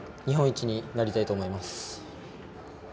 日本一になりたいと思います。